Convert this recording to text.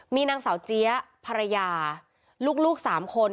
มีนางสาวเจี๊ยะภรรยาลูก๓คน